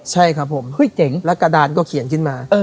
ใช่ครับผมและกระดานก็เขียนขึ้นมา